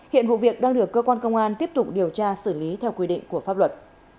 hiện vụ việc đang được cơ quan công an tiếp tục điều tra xử lý theo quy định của pháp luật